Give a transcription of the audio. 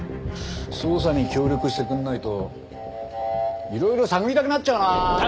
捜査に協力してくれないといろいろ探りたくなっちゃうなあ！